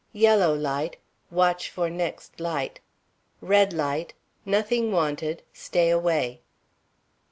Yellow light Watch for next light. Red light Nothing wanted; stay away.